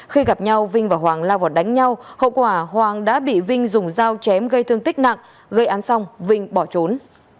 khi gặp nhau vinh và hoàng lao vào đánh nhau hậu quả hoàng đã bị vinh dùng dao chém gây thương tích nặng gây án xong vinh bỏ trốn